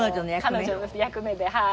彼女の役目ではい。